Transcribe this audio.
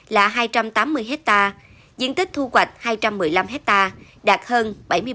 là hai trăm tám mươi hectare diện tích thu hoạch hai trăm một mươi năm hectare đạt hơn bảy mươi năm